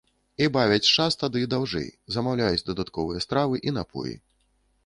І бавяць час тады даўжэй, замаўляюць дадатковыя стравы і напоі.